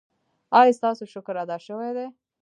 ایا ستاسو شکر ادا شوی دی؟